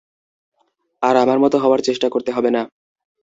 আর আমার মতো হওয়ার চেষ্টা করতে হবে না।